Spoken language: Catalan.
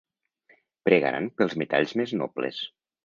Pregaran pels metalls més nobles.